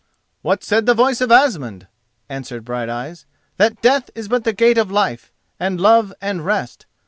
"What said the voice of Asmund?" answered Brighteyes. "That death is but the gate of life and love and rest.